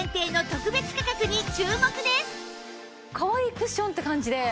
かわいいクッションって感じで。